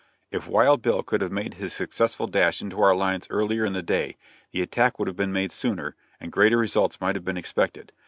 If Wild Bill could have made his successful dash into our lines earlier in the day, the attack would have been made sooner, and greater results might have been expected.